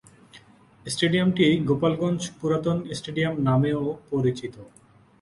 স্টেডিয়ামটি গোপালগঞ্জ পুরাতন স্টেডিয়াম নামেও পরিচিত।